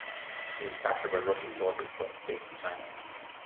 He was captured by Russian soldiers, but escaped to China.